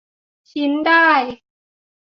ชิ้นได้